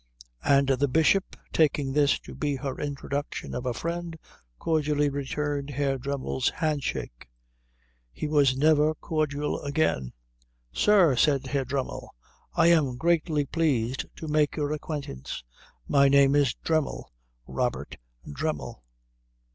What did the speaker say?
And the Bishop, taking this to be her introduction of a friend, cordially returned Herr Dremmel's handshake. He was never cordial again. "Sir," said Herr Dremmel, "I am greatly pleased to make your acquaintance. My name is Dremmel. Robert Dremmel."